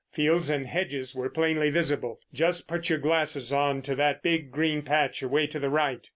Fields and hedges were plainly visible. "Just put your glasses on to that big, green patch away to the right."